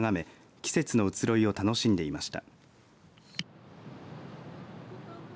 季節の移ろいを楽しんでいました。